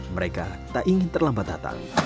mereka tak ingin terlambat datang